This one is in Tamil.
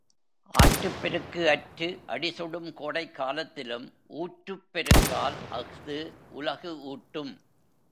ஆற்றுப் பெருக்கு அற்று அடிசுடும் கோடைக் காலத்திலும் ஊற்றுப் பெருக்கால் அஃது உலகு ஊட்டும்.